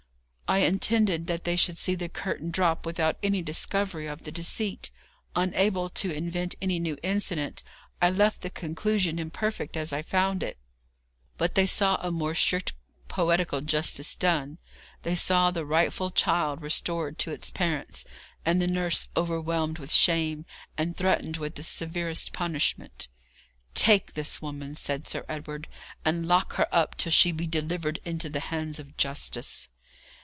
I intended that they should see the curtain drop without any discovery of the deceit. Unable to invent any new incident, I left the conclusion imperfect as I found it. But they saw a more strict poetical justice done; they saw the rightful child restored to its parents, and the nurse overwhelmed with shame, and threatened with the severest punishment. 'Take this woman,' said Sir Edward, 'and lock her up till she be delivered into the hands of justice.'